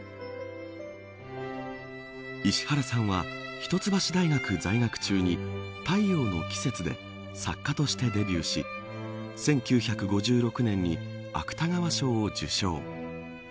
石原さんは、一橋大学在学中に太陽の季節で作家としてデビューし１９５６年に芥川賞を受賞。